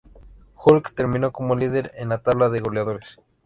Hulk terminó como líder en la tabla de goleadores.